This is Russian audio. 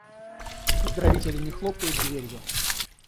Поздравители не хлопают дверью?